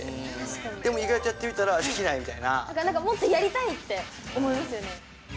でも、意外とやってみたら、できないとなんかもっとやりたいって思いますよね。